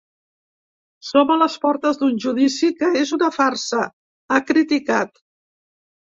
Som a les portes d’un judici que és una farsa, ha criticat.